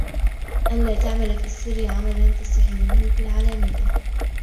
أَنْ لَا تَعْمَلَ فِي السِّرِّ عَمَلًا تَسْتَحِي مِنْهُ فِي الْعَلَانِيَةِ